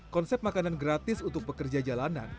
konsep makanan gratis untuk pekerja jalanan